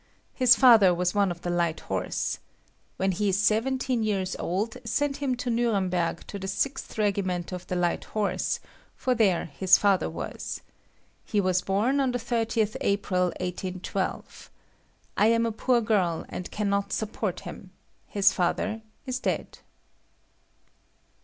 His father was one of the Light Horse. When he is seventeen years old, send him to Nuremberg to the sixth regiment of the Light Horse, for there his father was. He was born on the 30th April, 1812. I am a poor girl, and cannot support him. His father is dead."